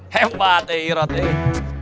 hebat eh irod eh